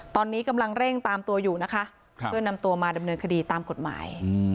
ตอนนี้กำลังเร่งตามตัวอยู่นะคะเพื่อนำตัวมาดำเนินคดีตามกฎหมาย